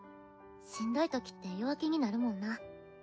しんどいときって弱気になるもんな。